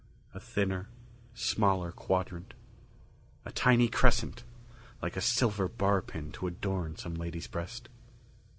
A thinner, smaller quadrant. A tiny crescent, like a silver barpin to adorn some lady's breast.